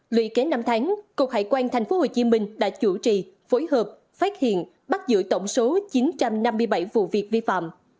luyện kế năm tháng cục hải quan tp hcm đã chủ trì phối hợp phát hiện bắt giữ tổng số chín trăm năm mươi bảy vụ việc vi phạm